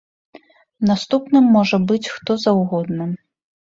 Наступным можа быць хто заўгодна.